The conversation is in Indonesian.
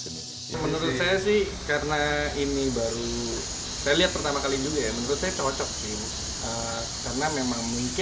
menurut saya sih karena ini baru saya lihat pertama kali juga ya menurut saya cocok sih karena memang mungkin